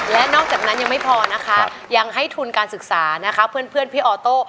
และนอกจากนั้นยังไม่พอนะคะยังให้ทุนการศึกษานะคะเพื่อนพี่ออโต้